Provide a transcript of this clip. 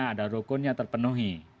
ada rukunnya terpenuhi